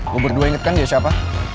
lo berdua ingat kan dia siapa